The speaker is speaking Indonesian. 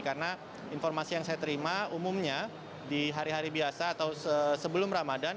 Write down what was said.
karena informasi yang saya terima umumnya di hari hari biasa atau sebelum ramadan